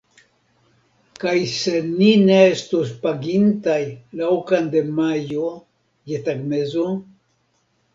Kaj se ni ne estos pagintaj, la okan de majo, je tagmezo?